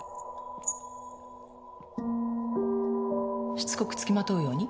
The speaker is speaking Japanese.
しつこくつきまとうように？